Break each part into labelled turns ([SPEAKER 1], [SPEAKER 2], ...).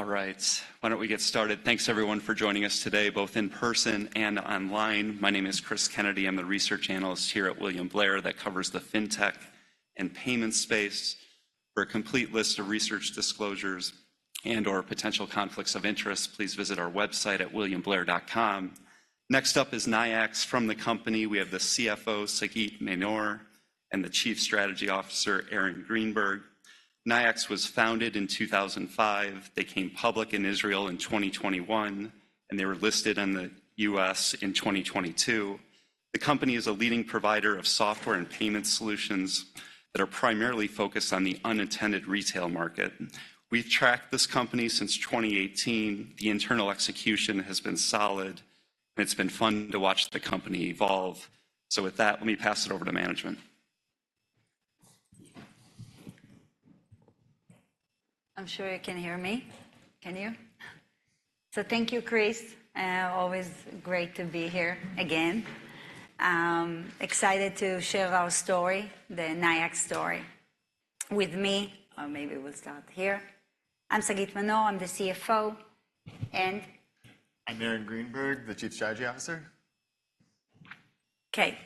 [SPEAKER 1] All right, why don't we get started? Thanks, everyone, for joining us today, both in person and online. My name is Chris Kennedy. I'm a research analyst here at William Blair, that covers the fintech and payment space. For a complete list of research disclosures and/or potential conflicts of interest, please visit our website at williamblair.com. Next up is Nayax. From the company, we have the CFO, Sagit Manor, and the Chief Strategy Officer, Aaron Greenberg. Nayax was founded in 2005. They came public in Israel in 2021, and they were listed in the US in 2022. The company is a leading provider of software and payment solutions that are primarily focused on the unattended retail market. We've tracked this company since 2018. The internal execution has been solid, and it's been fun to watch the company evolve. With that, let me pass it over to management.
[SPEAKER 2] I'm sure you can hear me. Can you? So thank you, Chris. Always great to be here again. Excited to share our story, the Nayax story. With me... Or maybe we'll start here. I'm Sagit Manor. I'm the CFO, and-
[SPEAKER 3] I'm Aaron Greenberg, the Chief Strategy Officer.
[SPEAKER 2] Okay,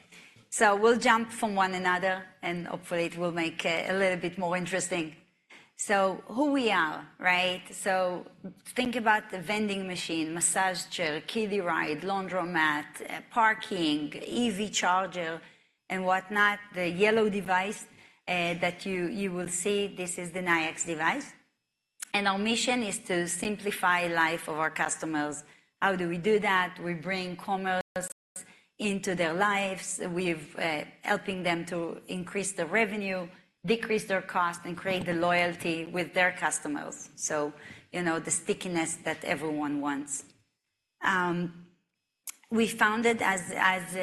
[SPEAKER 2] so we'll jump from one another, and hopefully it will make it a little bit more interesting. So who we are, right? So think about the vending machine, massage chair, kiddie ride, laundromat, parking, EV charger, and whatnot. The yellow device that you will see, this is the Nayax device, and our mission is to simplify life of our customers. How do we do that? We bring commerce into their lives. We've helping them to increase their revenue, decrease their cost, and create the loyalty with their customers, so, you know, the stickiness that everyone wants. We founded, as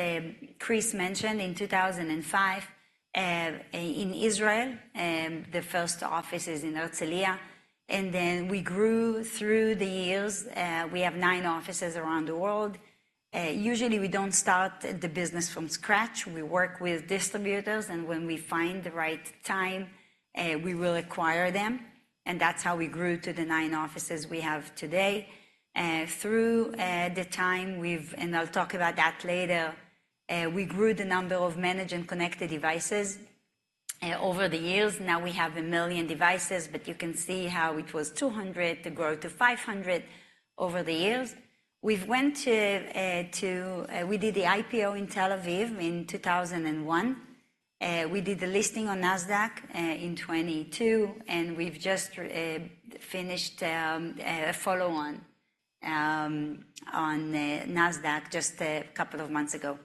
[SPEAKER 2] Chris mentioned, in 2005, in Israel, the first office is in Herzliya, and then we grew through the years. We have nine offices around the world. Usually, we don't start the business from scratch. We work with distributors, and when we find the right time, we will acquire them, and that's how we grew to the nine offices we have today. I'll talk about that later. We grew the number of managed and connected devices over the years. Now, we have a million devices, but you can see how it was 200, to grow to 500 over the years. We did the IPO in Tel Aviv in 2001. We did the listing on Nasdaq in 2022, and we've just finished a follow-on on the Nasdaq just a couple of months ago.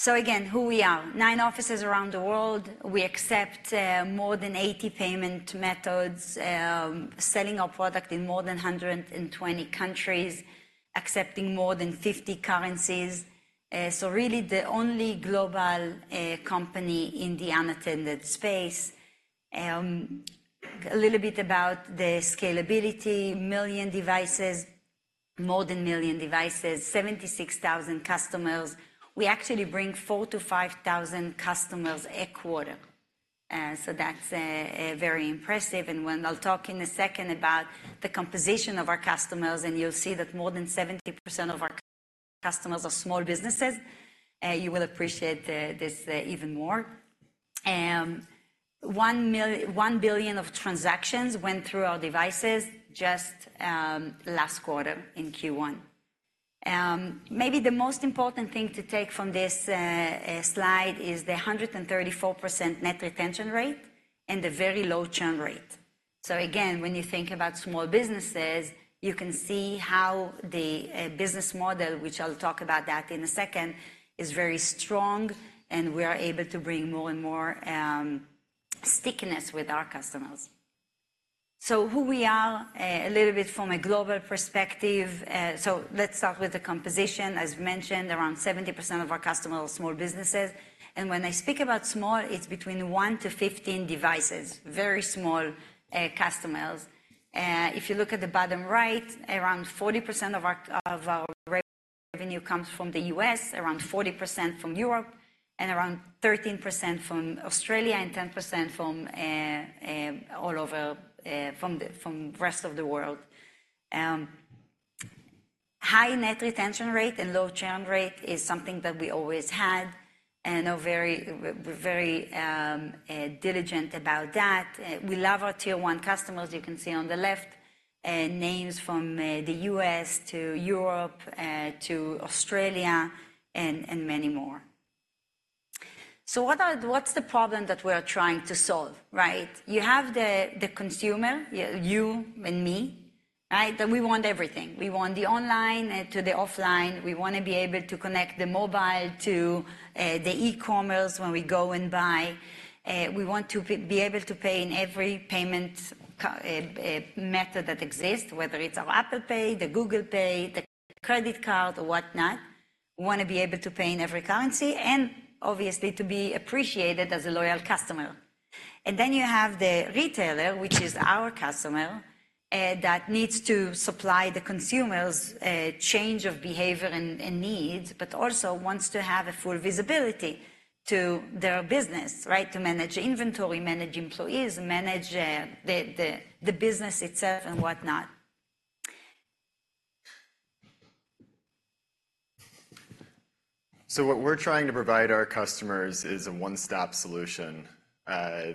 [SPEAKER 2] So again, who we are, nine offices around the world. We accept more than 80 payment methods, selling our product in more than 120 countries, accepting more than 50 currencies. So really the only global company in the unattended space. A little bit about the scalability, 1 million devices, more than 1 million devices, 76,000 customers. We actually bring 4,000-5,000 customers a quarter, so that's very impressive. And when I'll talk in a second about the composition of our customers, and you'll see that more than 70% of our customers are small businesses, you will appreciate this even more. One billion of transactions went through our devices just last quarter in Q1. Maybe the most important thing to take from this slide is the 134% net retention rate and the very low churn rate. So again, when you think about small businesses, you can see how the business model, which I'll talk about that in a second, is very strong, and we are able to bring more and more stickiness with our customers. So who we are, a little bit from a global perspective. So let's start with the composition. As mentioned, around 70% of our customers are small businesses, and when I speak about small, it's between 1-15 devices, very small customers. If you look at the bottom right, around 40% of our revenue comes from the US, around 40% from Europe, and around 13% from Australia, and 10% from all over, from the rest of the world. High net retention rate and low churn rate is something that we always had, and are very very diligent about that. We love our Tier One customers. You can see on the left, names from the U.S. to Europe to Australia, and many more. So what's the problem that we're trying to solve, right? You have the consumer, you and me, right? And we want everything. We want the online to the offline. We want to be able to connect the mobile to the e-commerce when we go and buy. We want to be able to pay in every payment method that exists, whether it's our Apple Pay, the Google Pay, the credit card or whatnot. We want to be able to pay in every currency and obviously to be appreciated as a loyal customer. And then you have the retailer, which is our customer, that needs to supply the consumers change of behavior and needs, but also wants to have a full visibility to their business, right? To manage inventory, manage employees, manage the business itself and whatnot.
[SPEAKER 3] So what we're trying to provide our customers is a one-stop solution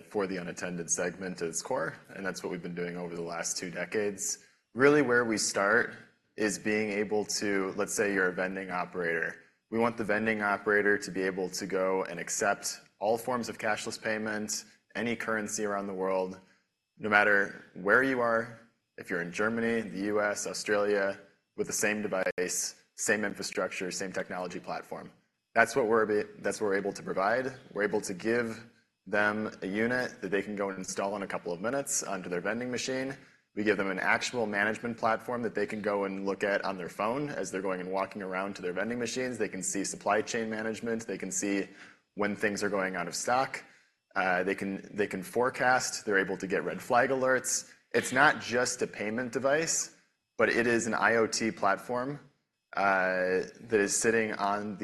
[SPEAKER 3] for the unattended segment at its core, and that's what we've been doing over the last two decades. Really, where we start is being able to... Let's say you're a vending operator. We want the vending operator to be able to go and accept all forms of cashless payment, any currency around the world, no matter where you are, if you're in Germany, the U.S., Australia, with the same device, same infrastructure, same technology platform. That's what we're able to provide. We're able to give them a unit that they can go and install in a couple of minutes onto their vending machine. We give them an actual management platform that they can go and look at on their phone as they're going and walking around to their vending machines. They can see supply chain management. They can see when things are going out of stock. They can forecast. They're able to get red flag alerts. It's not just a payment device, but it is an IoT platform that is sitting on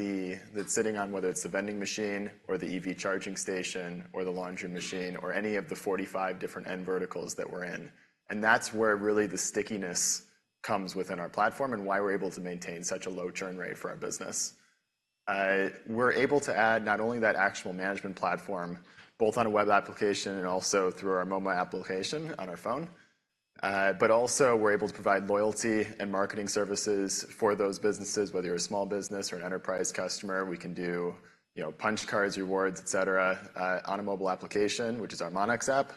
[SPEAKER 3] whether it's the vending machine or the EV charging station or the laundry machine or any of the 45 different end verticals that we're in. And that's where really the stickiness comes within our platform and why we're able to maintain such a low churn rate for our business. We're able to add not only that actual management platform, both on a web application and also through our MoMa application on our phone, but also we're able to provide loyalty and marketing services for those businesses, whether you're a small business or an enterprise customer. We can do, you know, punch cards, rewards, et cetera, on a mobile application, which is our Monyx app,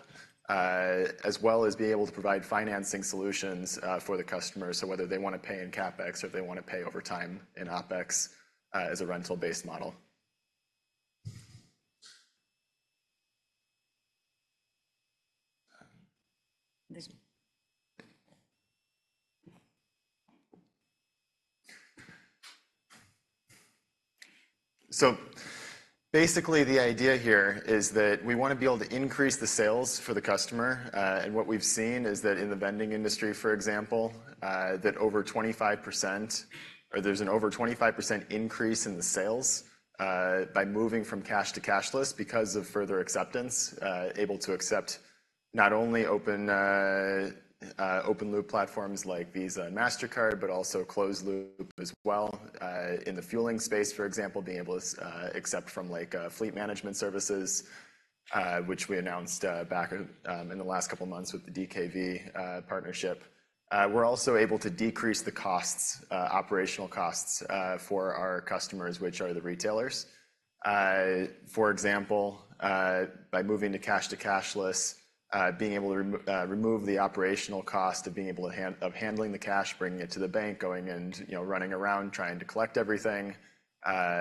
[SPEAKER 3] as well as being able to provide financing solutions for the customer. So whether they want to pay in CapEx or if they want to pay over time in OpEx, as a rental-based model.
[SPEAKER 2] This one.
[SPEAKER 3] So basically, the idea here is that we want to be able to increase the sales for the customer, and what we've seen is that in the vending industry, for example, that over 25%, or there's an over 25% increase in the sales, by moving from cash to cashless because of further acceptance, able to accept not only open, open-loop platforms like Visa and Mastercard, but also closed loop as well. In the fueling space, for example, being able to accept from, like, fleet management services, which we announced back in the last couple of months with the DKV partnership. We're also able to decrease the costs, operational costs, for our customers, which are the retailers. For example, by moving to cash to cashless, being able to remove the operational cost of handling the cash, bringing it to the bank, going in, you know, running around, trying to collect everything,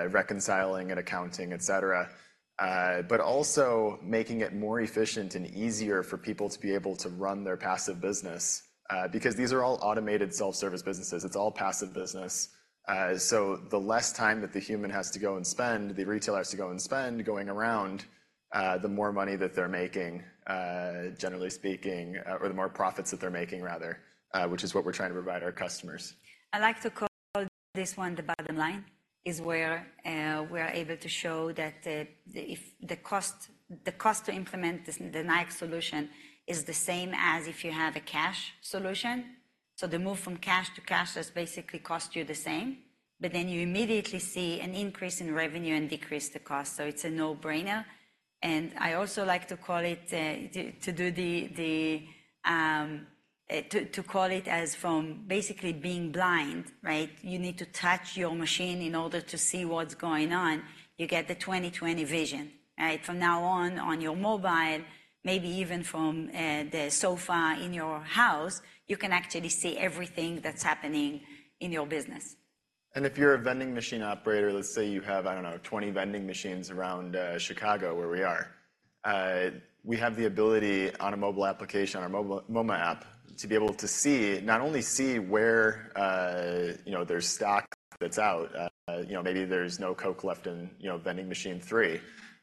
[SPEAKER 3] reconciling and accounting, et cetera. But also making it more efficient and easier for people to be able to run their passive business, because these are all automated self-service businesses. It's all passive business. So the less time that the human has to go and spend, the retailer has to go and spend going around, the more money that they're making, generally speaking, or the more profits that they're making, rather, which is what we're trying to provide our customers.
[SPEAKER 2] I like to call this one the bottom line, where we are able to show that if the cost to implement this, the Nayax solution, is the same as if you have a cash solution. So the move from cash to cashless basically cost you the same, but then you immediately see an increase in revenue and decrease the cost, so it's a no-brainer. And I also like to call it to call it as from basically being blind, right? You need to touch your machine in order to see what's going on. You get the 20/20 vision, right? From now on, on your mobile, maybe even from the sofa in your house, you can actually see everything that's happening in your business.
[SPEAKER 3] And if you're a vending machine operator, let's say you have, I don't know, 20 vending machines around Chicago, where we are. We have the ability on a mobile application, on our mobile MoMa app, to be able to see, not only see where, you know, there's stock that's out, you know, maybe there's no Coke left in, you know, vending machine three,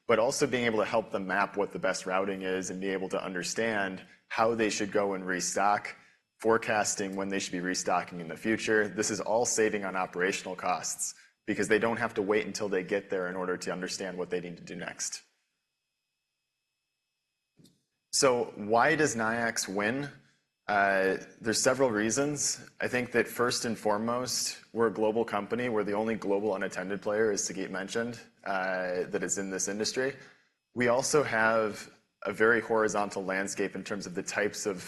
[SPEAKER 3] but also being able to help them map what the best routing is and be able to understand how they should go and restock, forecasting when they should be restocking in the future. This is all saving on operational costs because they don't have to wait until they get there in order to understand what they need to do next. So why does Nayax win? There's several reasons. I think that first and foremost, we're a global company. We're the only global unattended player, as Sagit mentioned, that is in this industry. We also have a very horizontal landscape in terms of the types of,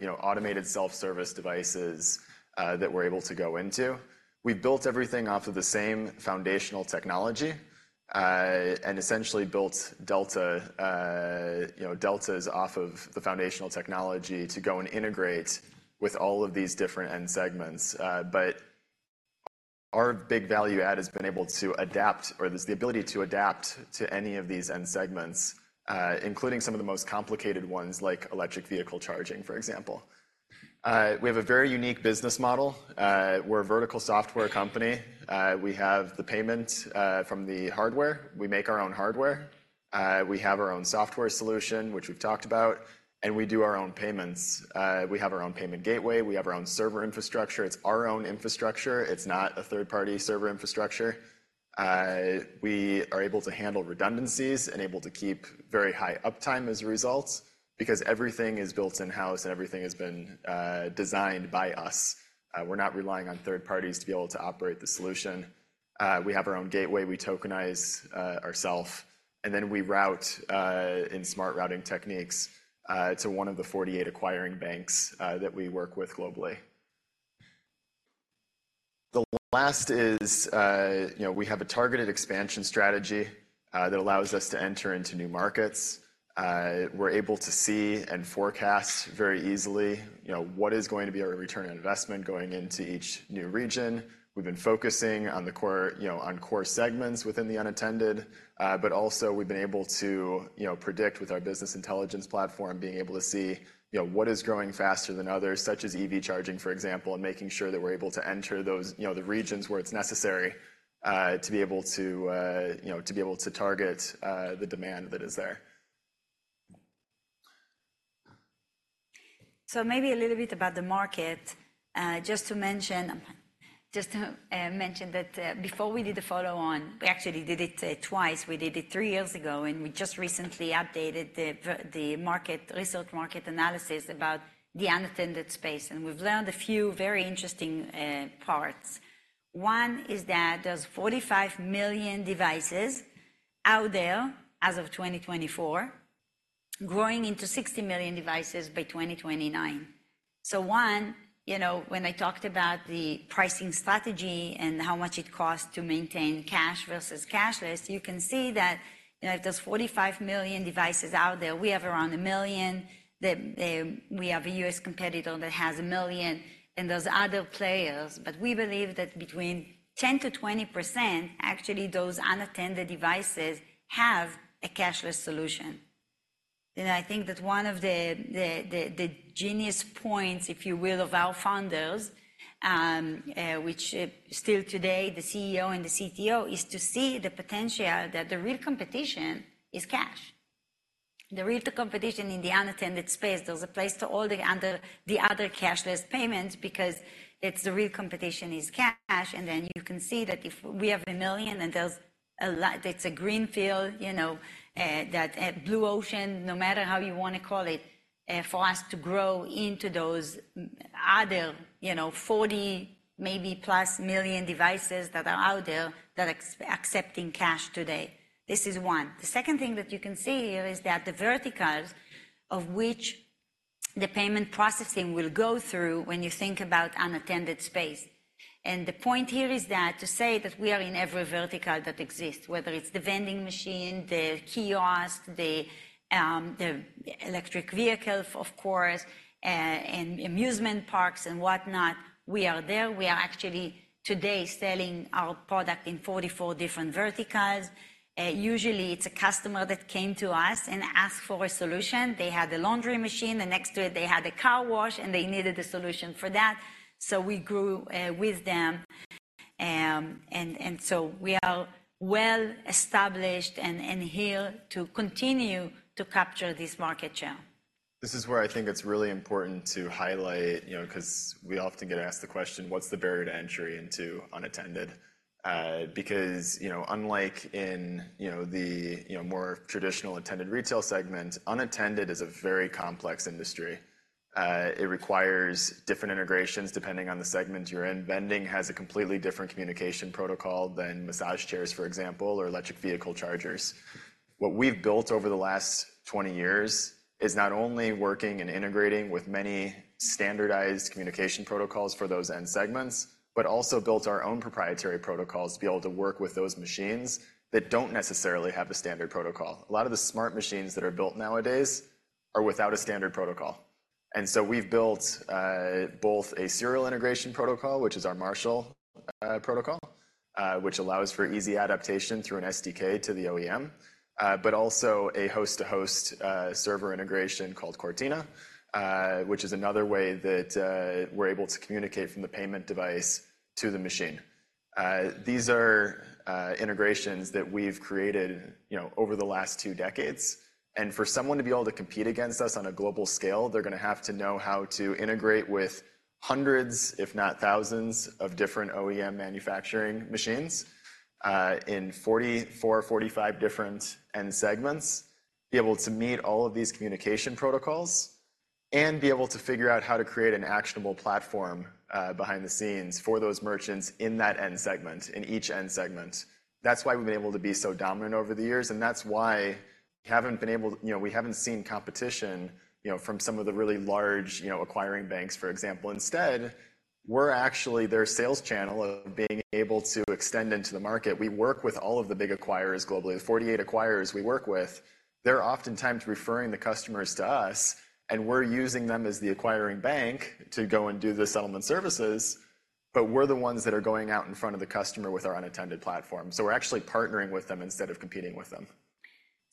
[SPEAKER 3] you know, automated self-service devices, that we're able to go into. We've built everything off of the same foundational technology, and essentially built Delta, you know, Deltas off of the foundational technology to go and integrate with all of these different end segments. But our big value add has been able to adapt, or the ability to adapt to any of these end segments, including some of the most complicated ones, like electric vehicle charging, for example. We have a very unique business model. We're a vertical software company. We have the payment, from the hardware. We make our own hardware. We have our own software solution, which we've talked about, and we do our own payments. We have our own payment gateway. We have our own server infrastructure. It's our own infrastructure. It's not a third-party server infrastructure. We are able to handle redundancies and able to keep very high uptime as a result because everything is built in-house, and everything has been designed by us. We're not relying on third parties to be able to operate the solution. We have our own gateway. We tokenize ourself, and then we route in smart routing techniques to one of the 48 acquiring banks that we work with globally. The last is, you know, we have a targeted expansion strategy that allows us to enter into new markets. We're able to see and forecast very easily, you know, what is going to be our return on investment going into each new region. We've been focusing on the core, you know, on core segments within the unattended, but also we've been able to, you know, predict with our business intelligence platform, being able to see, you know, what is growing faster than others, such as EV charging, for example, and making sure that we're able to enter those, you know, the regions where it's necessary, to be able to, you know, to be able to target, the demand that is there.
[SPEAKER 2] So maybe a little bit about the market. Just to mention that, before we did the follow-on, we actually did it twice. We did it three years ago, and we just recently updated the market research market analysis about the unattended space, and we've learned a few very interesting parts. One is that there's 45 million devices out there as of 2024, growing into 60 million devices by 2029. So one, you know, when I talked about the pricing strategy and how much it costs to maintain cash versus cashless, you can see that, you know, if there's 45 million devices out there, we have around a million, that we have a U.S. competitor that has a million, and there's other players. But we believe that between 10%-20%, actually, those unattended devices have a cashless solution. And I think that one of the, the genius points, if you will, of our founders, which still today, the CEO and the CTO, is to see the potential that the real competition is cash. The real competition in the unattended space, there's a place to all the other, the other cashless payments because it's the real competition is cash, and then you can see that if we have a million and there's a lot, it's a greenfield, you know, that, blue ocean, no matter how you wanna call it, for us to grow into those other, you know, 40 maybe plus million devices that are out there that accepting cash today. This is one. The second thing that you can see here is that the verticals of which the payment processing will go through when you think about unattended space. The point here is that to say that we are in every vertical that exists, whether it's the vending machine, the kiosk, the electric vehicle, of course, and amusement parks and whatnot, we are there. We are actually today selling our product in 44 different verticals. Usually, it's a customer that came to us and asked for a solution. They had a laundry machine, and next to it, they had a car wash, and they needed a solution for that. So we grew with them. And so we are well-established and here to continue to capture this market share.
[SPEAKER 3] This is where I think it's really important to highlight, you know, 'cause we often get asked the question: What's the barrier to entry into unattended? Because, you know, the you know more traditional attended retail segment, unattended is a very complex industry. It requires different integrations depending on the segment you're in. Vending has a completely different communication protocol than massage chairs, for example, or electric vehicle chargers. What we've built over the last 20 years is not only working and integrating with many standardized communication protocols for those end segments but also built our own proprietary protocols to be able to work with those machines that don't necessarily have a standard protocol. A lot of the smart machines that are built nowadays are without a standard protocol, and so we've built both a serial integration protocol, which is our Marshall protocol, which allows for easy adaptation through an SDK to the OEM, but also a host-to-host server integration called Cortina, which is another way that we're able to communicate from the payment device to the machine. These are, integrations that we've created, you know, over the last two decades, and for someone to be able to compete against us on a global scale, they're gonna have to know how to integrate with hundreds, if not thousands, of different OEM manufacturing machines, in 44, 45 different end segments, be able to meet all of these communication protocols, and be able to figure out how to create an actionable platform, behind the scenes for those merchants in that end segment, in each end segment. That's why we've been able to be so dominant over the years, and that's why we haven't been able... You know, we haven't seen competition, you know, from some of the really large, you know, acquiring banks, for example. Instead, we're actually their sales channel of being able to extend into the market. We work with all of the big acquirers globally. The 48 acquirers we work with, they're oftentimes referring the customers to us, and we're using them as the acquiring bank to go and do the settlement services, but we're the ones that are going out in front of the customer with our unattended platform. So we're actually partnering with them instead of competing with them.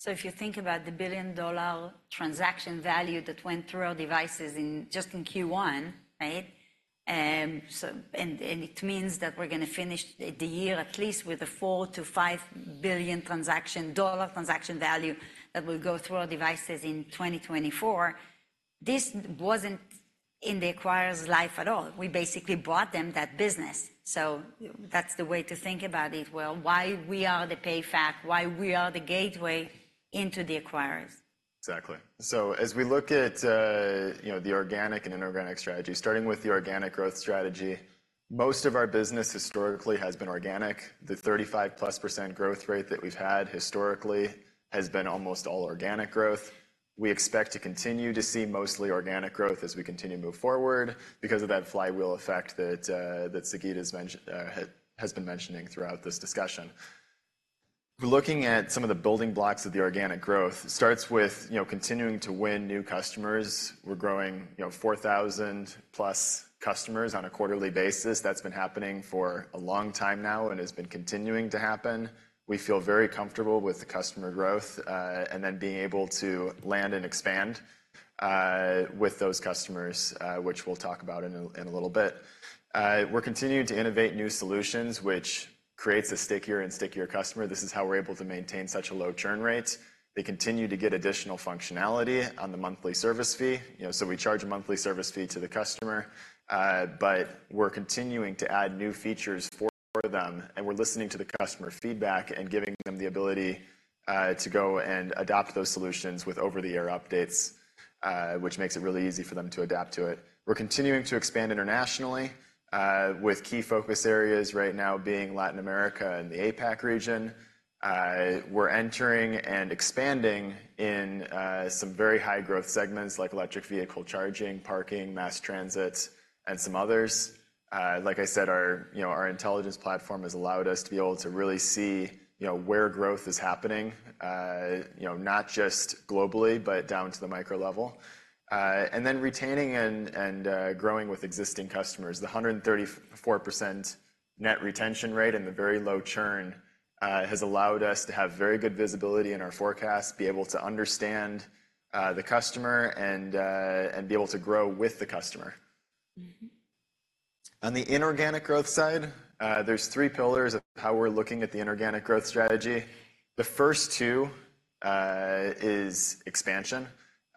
[SPEAKER 2] So if you think about the $1 billion transaction value that went through our devices in just Q1, right? So it means that we're gonna finish the year at least with a $4 billion-$5 billion transaction value that will go through our devices in 2024. This wasn't in the acquirers' life at all. We basically brought them that business. So that's the way to think about it. Well, why we are the PayFac, why we are the gateway into the acquirers.
[SPEAKER 3] Exactly. So as we look at, you know, the organic and inorganic strategy, starting with the organic growth strategy, most of our business historically has been organic. The 35%+ growth rate that we've had historically has been almost all organic growth. We expect to continue to see mostly organic growth as we continue to move forward because of that flywheel effect that Sagit has mentioned, has been mentioning throughout this discussion. Looking at some of the building blocks of the organic growth, starts with, you know, continuing to win new customers. We're growing, you know, 4,000+ customers on a quarterly basis. That's been happening for a long time now and has been continuing to happen. We feel very comfortable with the customer growth, and then being able to land and expand, with those customers, which we'll talk about in a little bit. We're continuing to innovate new solutions, which creates a stickier and stickier customer. This is how we're able to maintain such a low churn rate. They continue to get additional functionality on the monthly service fee. You know, so we charge a monthly service fee to the customer, but we're continuing to add new features for them, and we're listening to the customer feedback and giving them the ability, to go and adopt those solutions with over-the-air updates, which makes it really easy for them to adapt to it. We're continuing to expand internationally, with key focus areas right now being Latin America and the APAC region. We're entering and expanding in some very high-growth segments like electric vehicle charging, parking, mass transit, and some others. Like I said, our, you know, our intelligence platform has allowed us to be able to really see, you know, where growth is happening, you know, not just globally, but down to the micro level. And then retaining and, and, growing with existing customers. The 134% Net Retention Rate and the very low churn rate has allowed us to have very good visibility in our forecast, be able to understand the customer and, and be able to grow with the customer.
[SPEAKER 2] Mm-hmm.
[SPEAKER 3] On the inorganic growth side, there's three pillars of how we're looking at the inorganic growth strategy. The first two, is expansion,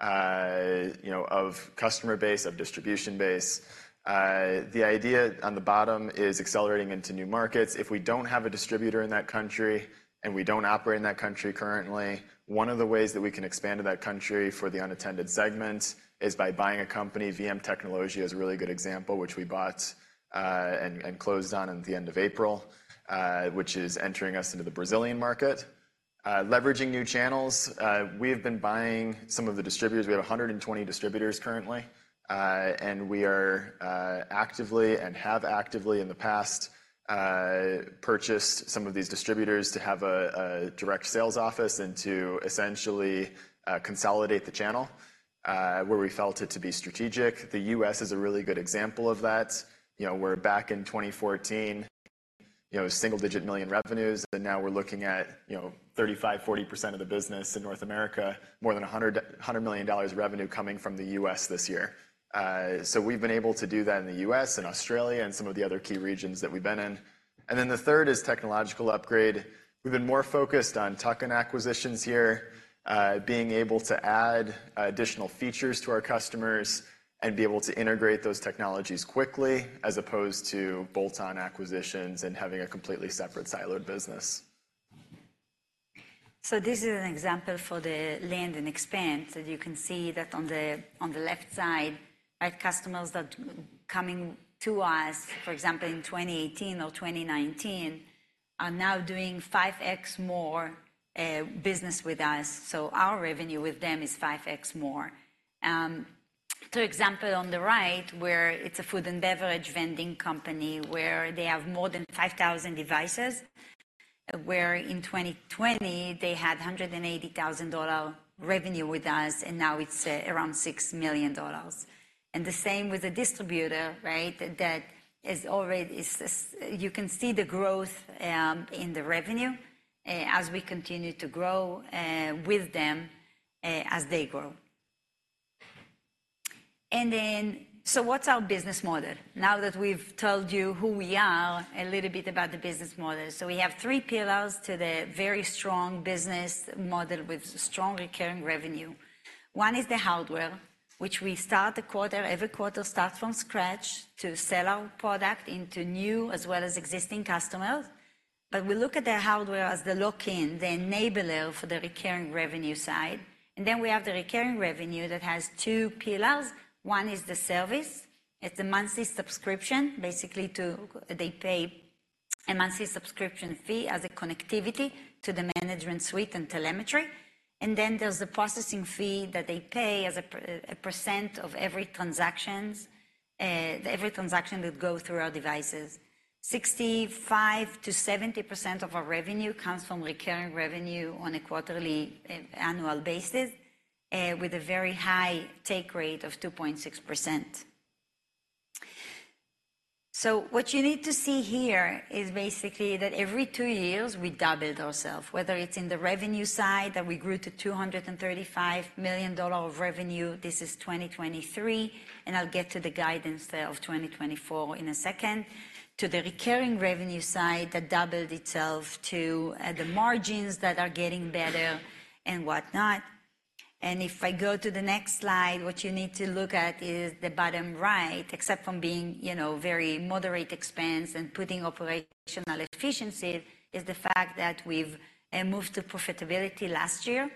[SPEAKER 3] you know, of customer base, of distribution base. The idea on the bottom is accelerating into new markets. If we don't have a distributor in that country, and we don't operate in that country currently, one of the ways that we can expand to that country for the unattended segment is by buying a company. VM Tecnologia is a really good example, which we bought, and, and closed on at the end of April, which is entering us into the Brazilian market. Leveraging new channels, we have been buying some of the distributors. We have 120 distributors currently, and we are actively and have actively in the past purchased some of these distributors to have a direct sales office and to essentially consolidate the channel where we felt it to be strategic. The U.S. is a really good example of that. You know, where back in 2014, you know, single-digit million revenues, and now we're looking at, you know, 35%-40% of the business in North America, more than $100 million revenue coming from the U.S. this year. So we've been able to do that in the U.S. and Australia and some of the other key regions that we've been in. And then the third is technological upgrade. We've been more focused on tuck-in acquisitions here, being able to add additional features to our customers and be able to integrate those technologies quickly, as opposed to bolt-on acquisitions and having a completely separate siloed business.
[SPEAKER 2] So this is an example for the land and expand. So you can see that on the left side, right, customers that coming to us, for example, in 2018 or 2019, are now doing 5x more business with us. So our revenue with them is 5x more. So example on the right, where it's a food and beverage vending company, where they have more than 5,000 devices, where in 2020, they had $180,000 revenue with us, and now it's around $6 million. And the same with the distributor, right? That is already. You can see the growth in the revenue as we continue to grow with them as they grow. And then, so what's our business model? Now that we've told you who we are, a little bit about the business model. So we have three pillars to the very strong business model with strong recurring revenue. One is the hardware, which we start the quarter, every quarter start from scratch to sell our product into new as well as existing customers. But we look at the hardware as the lock-in, the enabler for the recurring revenue side. And then we have the recurring revenue that has two pillars. One is the service. It's a monthly subscription, basically, to-- They pay a monthly subscription fee as a connectivity to the management suite and telemetry. And then there's the processing fee that they pay as a per, a percent of every transactions, every transaction that go through our devices. 65%-70% of our revenue comes from recurring revenue on a quarterly, annual basis, with a very high take rate of 2.6%. So what you need to see here is basically, that every two years, we doubled ourself, whether it's in the revenue side, that we grew to $235 million of revenue. This is 2023, and I'll get to the guidance of 2024 in a second. To the recurring revenue side, that doubled itself to, the margins that are getting better and whatnot. And if I go to the next slide, what you need to look at is the bottom right, except from being, you know, very moderate expense and putting operational efficiency, is the fact that we've moved to profitability last year,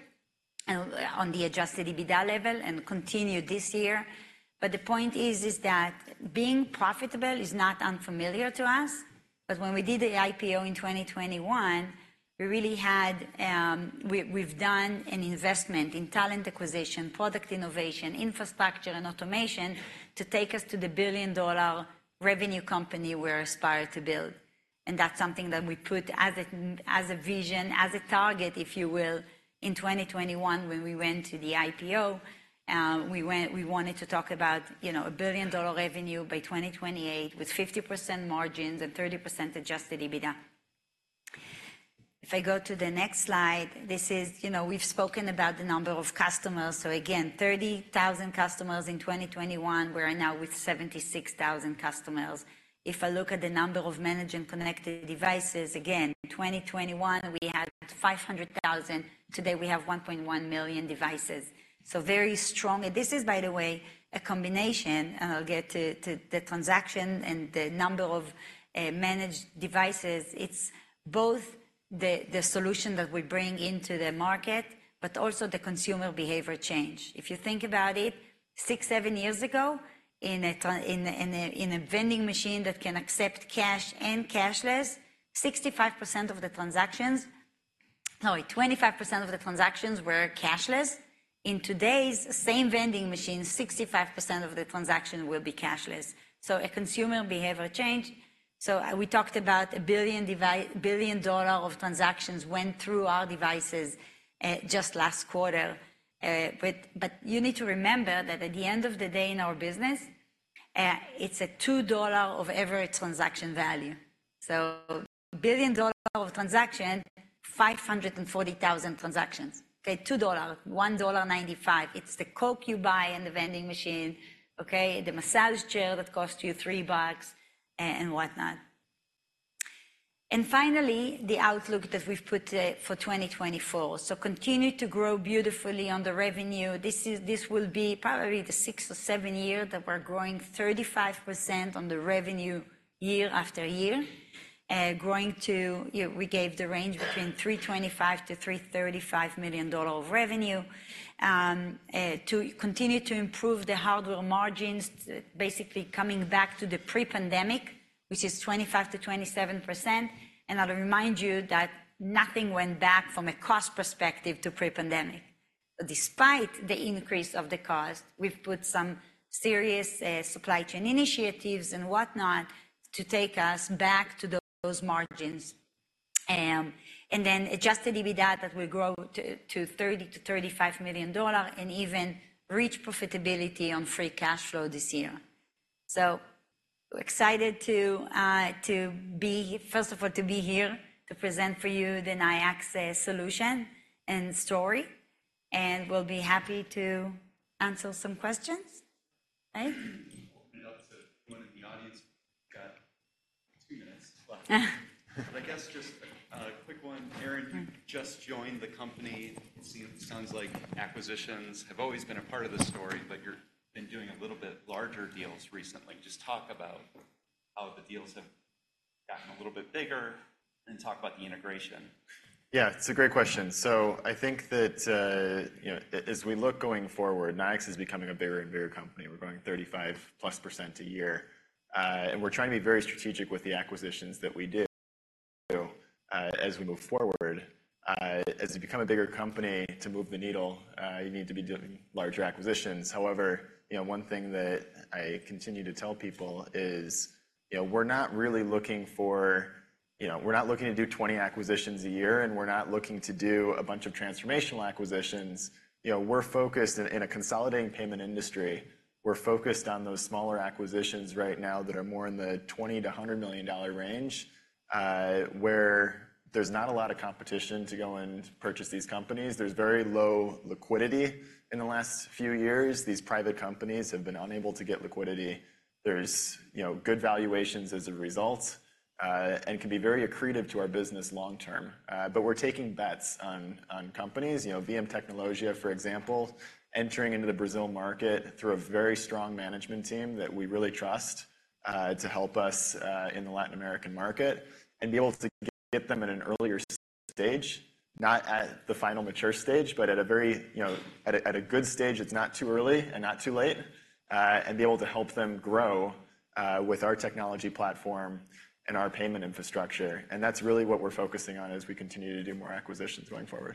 [SPEAKER 2] and on the adjusted EBITDA level and continued this year. But the point is, is that being profitable is not unfamiliar to us. But when we did the IPO in 2021, we really had, we've done an investment in talent acquisition, product innovation, infrastructure, and automation to take us to the billion-dollar revenue company we're aspired to build. And that's something that we put as a, as a vision, as a target, if you will. In 2021, when we went to the IPO, we wanted to talk about, you know, a billion-dollar revenue by 2028, with 50% margins and 30% Adjusted EBITDA. If I go to the next slide, this is you know, we've spoken about the number of customers. So again, 30,000 customers in 2021, we're now with 76,000 customers. If I look at the number of managed and connected devices, again, in 2021, we had 500,000. Today, we have 1.1 million devices. So very strong. This is, by the way, a combination, and I'll get to the transaction and the number of managed devices. It's both the solution that we bring into the market, but also the consumer behavior change. If you think about it, six, seven years ago, in a vending machine that can accept cash and cashless, 65% of the transactions, sorry, 25% of the transactions were cashless. In today's same vending machine, 65% of the transaction will be cashless. So a consumer behavior change. So we talked about $1 billion of transactions went through our devices just last quarter. But you need to remember that at the end of the day, in our business, it's $2 of every transaction value. So $1 billion of transaction, 540,000 transactions. Okay, $2, $1.95. It's the Coke you buy in the vending machine, okay? The massage chair that costs you $3, and whatnot. And finally, the outlook that we've put for 2024. So continue to grow beautifully on the revenue. This will be probably the sixth or seventh year that we're growing 35% on the revenue year after year, growing to... We gave the range between $325 million-$335 million of revenue. To continue to improve the hardware margins, basically coming back to the pre-pandemic, which is 25%-27%, and I'll remind you that nothing went back from a cost perspective to pre-pandemic. Despite the increase of the cost, we've put some serious, supply chain initiatives and whatnot to take us back to those margins. And then Adjusted EBITDA, that will grow to, to $30 million-$35 million and even reach profitability on free cash flow this year. So excited to, to be, first of all, to be here, to present for you the Nayax solution and story, and we'll be happy to answer some questions. Right?
[SPEAKER 4] Open it up to anyone in the audience. Got two minutes left. I guess just a quick one. Aaron, you just joined the company. It seems, sounds like acquisitions have always been a part of the story, but you've been doing a little bit larger deals recently. Just talk about how the deals have gotten a little bit bigger, and talk about the integration.
[SPEAKER 3] Yeah, it's a great question. So I think that, you know, as we look going forward, Nayax is becoming a bigger and bigger company. We're growing 35%+ a year, and we're trying to be very strategic with the acquisitions that we do, as we move forward. As you become a bigger company, to move the needle, you need to be doing larger acquisitions. However, you know, one thing that I continue to tell people is, you know, we're not really looking for... You know, we're not looking to do 20 acquisitions a year, and we're not looking to do a bunch of transformational acquisitions. You know, we're focused in a consolidating payment industry. We're focused on those smaller acquisitions right now that are more in the $20 million-$100 million range, where there's not a lot of competition to go and purchase these companies. There's very low liquidity in the last few years. These private companies have been unable to get liquidity. There's, you know, good valuations as a result, and can be very accretive to our business long term. But we're taking bets on, on companies, you know, VM Tecnologia, for example, entering into the Brazil market through a very strong management team that we really trust, to help us, in the Latin American market. Be able to get them at an earlier stage, not at the final mature stage, but at a very, you know, at a good stage that's not too early and not too late, and be able to help them grow, with our technology platform and our payment infrastructure, and that's really what we're focusing on as we continue to do more acquisitions going forward.